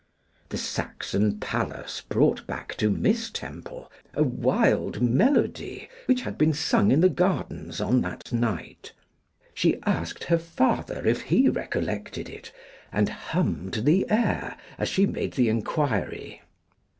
The Saxon palace brought back to Miss Temple a wild melody which had been sung in the gardens on that night. She asked her father if he recollected it, and hummed the air as she made the enquiry.